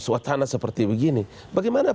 suasana seperti begini bagaimana